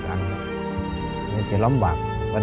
ถ้าไม่มีวิจกรผมก็อยากมาใส่มีครับ